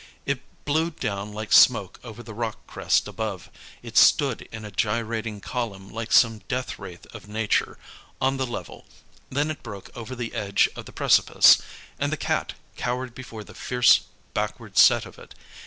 It blew down like smoke over the rock crest above; it stood in a gyrating column like some death wraith of nature, on the level, then it broke over the edge of the precipice, and the Cat cowered before the fierce backward set of it.